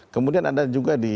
kemudian ada juga di